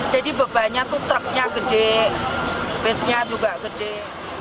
jadi bebannya tuh truknya gede besinya juga gede